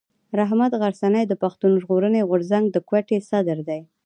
رحمت غرڅنی د پښتون ژغورني غورځنګ د کوټي صدر دی.